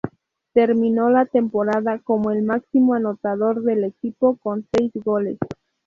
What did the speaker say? Terminó la temporada como el máximo anotador del equipo, con seis goles.